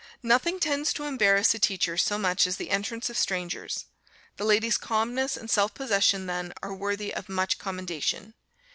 Nothing tends to embarrass a teacher so much as the entrance of strangers; the lady's calmness and self possession then are worthy of much commendation.